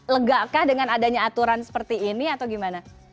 legakah dengan adanya aturan seperti ini atau gimana